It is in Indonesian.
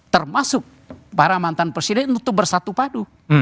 termasuk para mantan presiden untuk bersatu padu